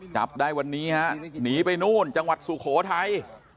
จับได้วันนี้ฮะหนีไปนู่นจังหวัดสุโขทัย